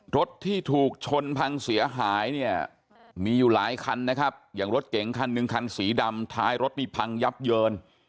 รถที่ถูกชนพังเสียหายเนี่ยมีอยู่หลายคันนะครับอย่างรถเก๋งคันหนึ่งคันสีดำท้ายรถนี่พังยับเยิน